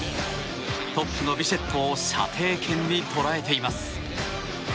トップのビシェットを射程圏に捉えています。